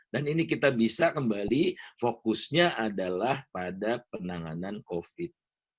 dan ini kita bisa kembali fokusnya adalah pada penanganan covid